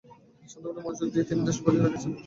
শ্রোতৃমণ্ডলীর মনোযোগ তিনি বেশ ধরিয়া রাখিয়াছিলেন।